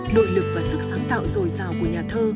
nội lực và sức sáng tạo dồi dào của nhà thơ